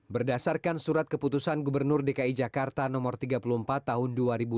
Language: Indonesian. berdasarkan surat keputusan gubernur dki jakarta nomor tiga puluh empat tahun dua ribu lima